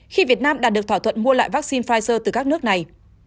khi việt nam đạt được thỏa thuận mua lại vaccine pfizer từ các nước này